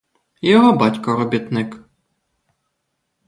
І його батько робітник.